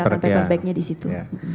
jadi saya tinggalkan paper bagnya di situ